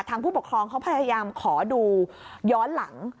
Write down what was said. ผู้ปกครองเขาพยายามขอดูย้อนหลัง